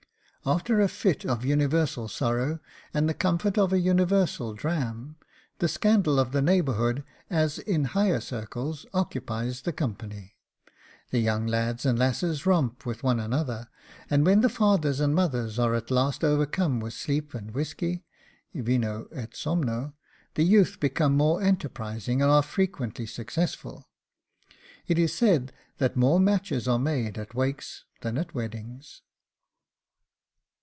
After a fit of universal sorrow, and the comfort of a universal dram, the scandal of the neighbourhood, as in higher circles, occupies the company. The young lads and lasses romp with one another, and when the fathers and mothers are at last overcome with sleep and whisky (VINO ET SOMNO), the youth become more enterprising, and are frequently successful. It is said that more matches are made at wakes than at weddings.